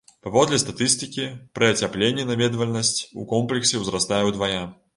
Паводле статыстыкі, пры ацяпленні наведвальнасць у комплексе ўзрастае ўдвая.